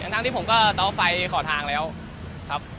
ทั้งที่ผมก็เตาไฟขอทางแล้วครับ